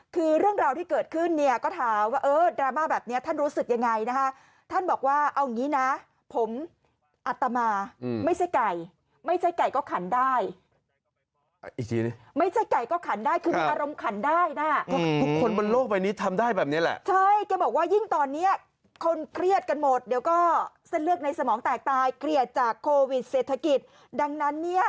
คือเรื่องราวที่เกิดขึ้นเนี่ยก็ถามว่าเอ่อดราม่าแบบนี้ท่านรู้สึกอย่างไร